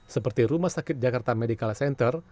seperti rumah sakit jakarta medical center